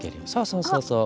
そうそうそう。